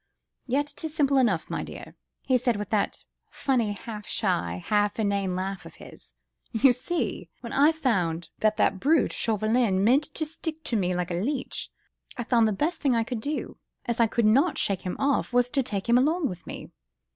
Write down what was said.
"Yet, 'tis simple enough, m'dear," he said with that funny, half shy, half inane laugh of his, "you see! when I found that that brute Chauvelin meant to stick to me like a leech, I thought the best thing I could do, as I could not shake him off, was to take him along with me.